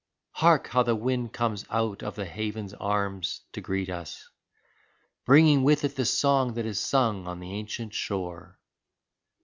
Hark! how the wind comes out of the haven's arms to greet us, Bringing with it the song that is sung on the ancient shore